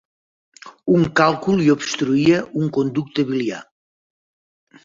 Un càlcul li obstruïa un conducte biliar.